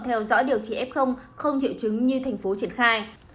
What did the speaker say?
theo dõi điều trị f không triệu chứng như thành phố triển khai